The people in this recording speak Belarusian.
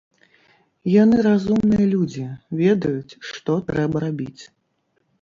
Яны разумныя людзі, ведаюць, што трэба рабіць.